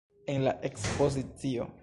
En la ekspozicio.